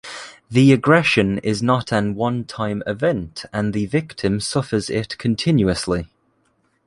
The aggression is not an one-time event and the victim suffers it continuously.